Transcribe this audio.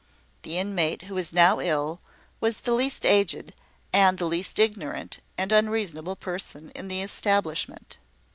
The inmate who was now ill was the least aged, and the least ignorant and unreasonable person, in the establishment.